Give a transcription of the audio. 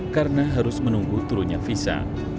karena harus menunggu turunnya visa